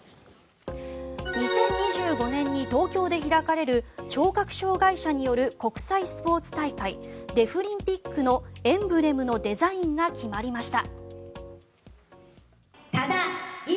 ２０２５年に東京で開かれる聴覚障害者による国際スポーツ大会デフリンピックのエンブレムのデザインが決まりました。